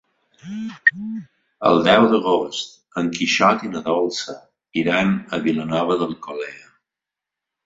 El deu d'agost en Quixot i na Dolça iran a Vilanova d'Alcolea.